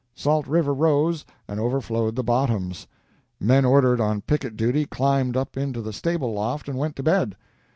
Salt River rose and overflowed the bottoms. Men ordered on picket duty climbed up into the stable loft and went to bed.